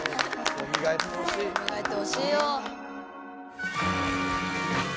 よみがえってほしいよ。